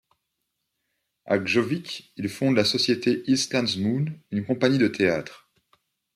À Gjøvik, il fonde la société Islandsmoen une compagnie de théâtre.